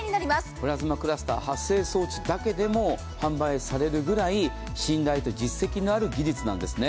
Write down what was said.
プラズマクラスター発生装置だけでも信頼と実績のある技術なんですね。